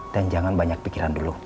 dan jangan banyak pikiran dulu